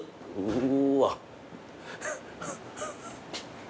うわ。